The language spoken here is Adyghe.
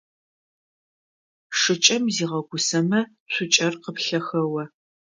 Шыкӏэм зигъэгусэмэ цукӏэр къыплъэхэо.